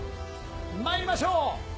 まいりましょう。